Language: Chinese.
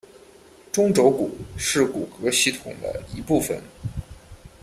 中轴骨是骨骼系统的一部分。